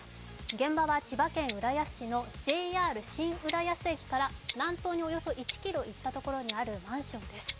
現場は千葉県浦安市のＪＲ新浦安駅から南東におよそ１ｋｍ行ったところにあるマンションです。